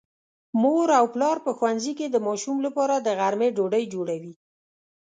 مور او پلار په ښوونځي کې د ماشوم لپاره د غرمې ډوډۍ جوړوي.